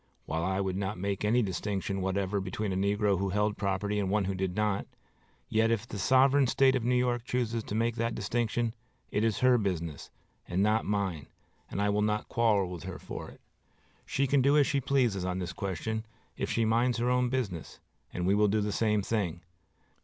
While I would not make any distinction whatever between a negro who held property and one who did not, yet if the sovereign State of New York chooses to make that distinction it is her business, and not mine; and I will not quarrel with her for it. She can do as she pleases on this question if she minds her own business, and we will do the same thing.